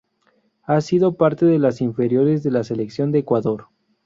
Ha sido parte de las inferiores de la Selección de Ecuador.